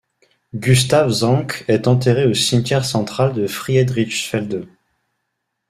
Gustav Zahnke est enterré au Cimetière central de Friedrichsfelde.